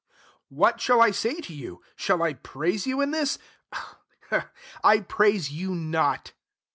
What shall I say to you ? shall I praise you in this ? I praise you not.